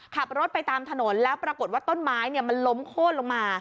ขับรถไปตามถนนแล้วปรากฏว่าต้นไม้มันล้มโค้นลงมา